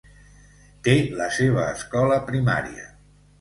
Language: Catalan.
Té la seva escola primària.